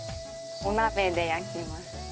お鍋で焼きます。